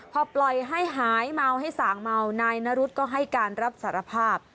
พอปล่อยให้หายเมาให้สางเมานายนรุษก็ให้การรับสารภาพ